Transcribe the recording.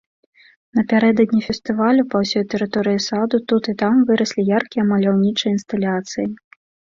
Напярэдадні фестывалю па ўсёй тэрыторыі саду тут і там выраслі яркія маляўнічыя інсталяцыі.